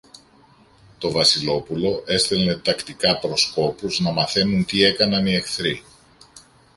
Το Βασιλόπουλο έστελνε τακτικά προσκόπους, να μαθαίνουν τι έκαναν οι εχθροί.